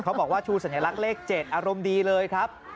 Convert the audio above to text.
บอกว่าชูสัญลักษณ์เลข๗อารมณ์ดีเลยครับ